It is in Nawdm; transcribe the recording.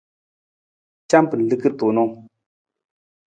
Camar liki tuunng.